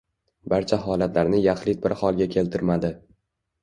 Barcha holatlarni yaxlit bir holga keltirmadi.